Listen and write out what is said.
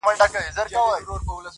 جنازو پكښي اوډلي دي كورونه!